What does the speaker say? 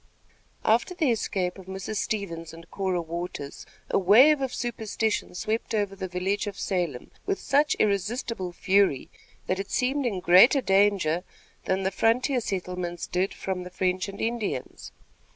After the escape of Mrs. Stevens and Cora Waters, a wave of superstition swept over the village of Salem with such irresistible fury, that it seemed in greater danger than the frontier settlements did from the French and Indians.